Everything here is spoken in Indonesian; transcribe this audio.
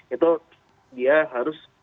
itu dia harus